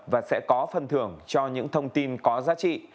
và sẽ có phần thưởng cho những thông tin có giá trị